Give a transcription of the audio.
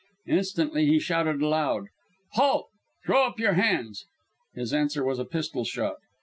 Instantly he shouted aloud: "Halt! Throw up your hands!" His answer was a pistol shot.